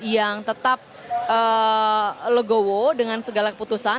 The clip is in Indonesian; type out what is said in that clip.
yang tetap legowo dengan segala keputusan